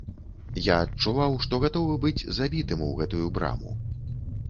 Я адчуваў, што гатовы быць забітым у гэтую браму.